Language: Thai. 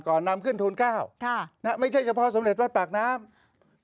ก่อนนำขึ้นทูลเก้านะไม่ใช่เฉพาะสมเด็จวัดปากน้ำนะฮะ